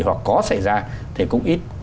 hoặc có xảy ra thì cũng ít